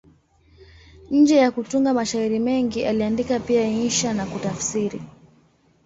Nje ya kutunga mashairi mengi, aliandika pia insha na kutafsiri.